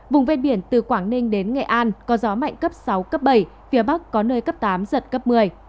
vùng ven biển từ quảng ninh đến nghệ an có gió mạnh cấp sáu cấp bảy phía bắc có nơi cấp tám giật cấp một mươi